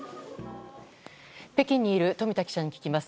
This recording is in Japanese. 北京にいる富田記者に聞きます。